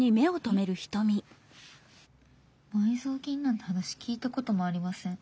「埋蔵金なんて話聞いたこともありません。